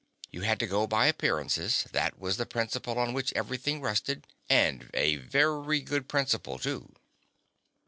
You had to go by appearances; that was the principle on which everything rested, and a very good principle too.